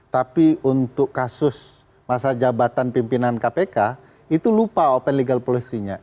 tapi untuk kasus masa jabatan pimpinan kpk itu lupa open legal policy nya